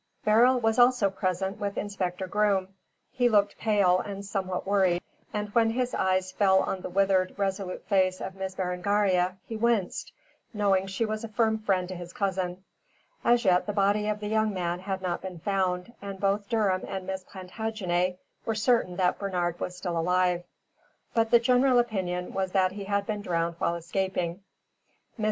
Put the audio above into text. Beryl was also present with Inspector Groom. He looked pale and somewhat worried, and when his eyes fell on the withered, resolute face of Miss Berengaria, he winced, knowing she was a firm friend to his cousin. As yet the body of the young man had not been found, and both Durham and Miss Plantagenet were certain that Bernard was still alive. But the general opinion was that he had been drowned while escaping. Mrs.